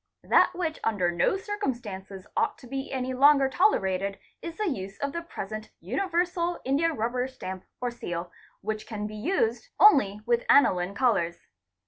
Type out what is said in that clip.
That which under no circumstances ought to be any longer tolerated is the use of the present universal india rubber stamp or seal which can be used only with aniline colours.